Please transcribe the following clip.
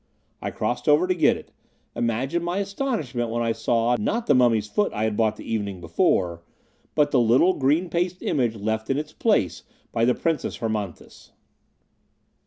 I crossed over to get it; imagine my astonishment when I saw, not the mummy's foot I had bought the evening before, but the little green paste image left in its place by the Princess Hermonthis!